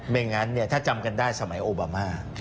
ไม่งั้นถ้าจำกันได้สมัยโอบามา